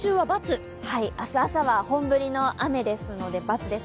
明日朝は本降りの雨ですので×です。